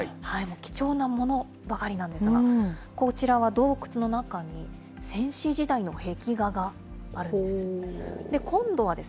貴重なものばかりなんですが、こちらは洞窟の中に先史時代の壁画があるんです。